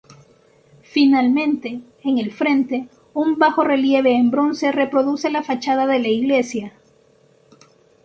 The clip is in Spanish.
Finalmente, en el frente, un bajorrelieve en bronce reproduce la fachada de la iglesia.